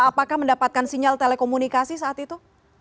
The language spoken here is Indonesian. apakah mendapatkan sinyal telekomunikasi saat itu